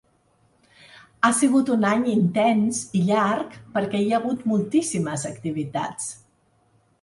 Ha sigut un any intens i llarg, perquè hi ha hagut moltíssimes activitats.